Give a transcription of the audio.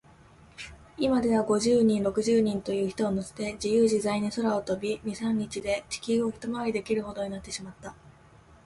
いまでは、五十人、六十人という人をのせて、じゆうじざいに空を飛び、二、三日で地球をひとまわりできるほどになってしまった。